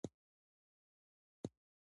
سیندونه د افغانستان یوه طبیعي ځانګړتیا ده.